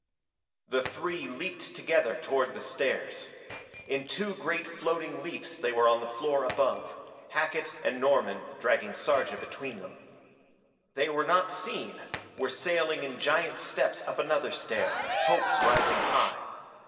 The three leaped together toward the stairs. In two great floating leaps they were on the floor above, Hackett and Norman dragging Sarja between them. They were not seen, were sailing in giant steps up another stair, hopes rising high.